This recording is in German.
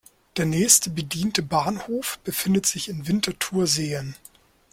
Der nächste bediente Bahnhof befindet sich in Winterthur-Seen.